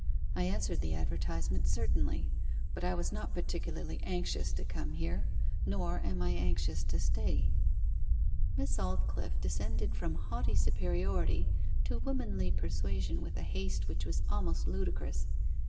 I answered the advertisement certainly, but I was not particularly anxious to come here, nor am I anxious to stay.' Miss Aldclyffe descended from haughty superiority to womanly persuasion with a haste which was almost ludicrous.